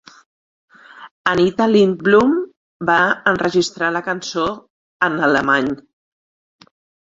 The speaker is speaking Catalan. Anita Lindblom va enregistrar la cançó en alemany.